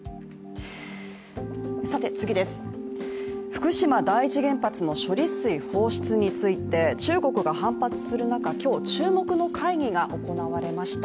次です、福島第一原発の処理水放出について中国が反発する中、今日注目の会議が行われました。